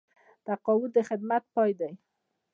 تقاعد د خدمت پای دی